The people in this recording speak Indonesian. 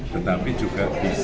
tetapi juga bisnis